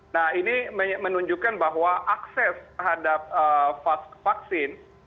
nah ini menunjukkan bahwa akses terhadap vaksin